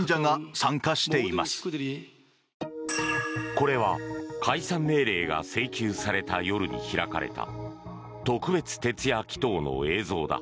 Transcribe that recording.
これは解散命令が請求された夜に開かれた特別徹夜祈祷の映像だ。